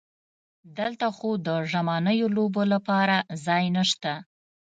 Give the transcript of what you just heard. دلته خو د ژمنیو لوبو لپاره ځای نشته.